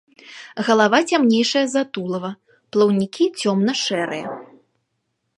Галава цямнейшая за тулава, плаўнікі цёмна-шэрыя.